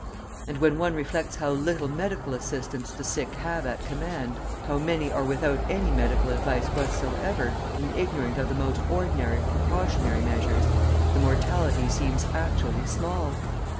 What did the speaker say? And when one reflects how little medical assistance the sick have at command, how many are without any medical advice whatsoever, and ignorant of the most ordinary precautionary measures, the mortality seems actually small.